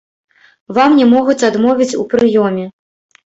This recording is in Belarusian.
Вам не могуць адмовіць у прыёме.